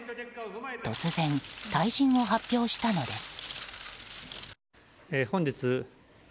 突然退陣を発表したのです。